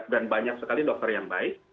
dan banyak sekali dokter yang baik